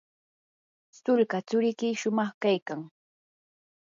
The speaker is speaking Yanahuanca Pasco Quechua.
sulka tsurikiy shumaq kaykan.